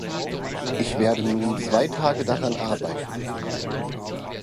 Ich werde nun zwei Tage daran arbeiten.